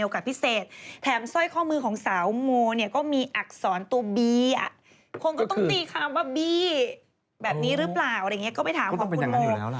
ก็มันเป็นอย่างนั้นอยู่แล้วละ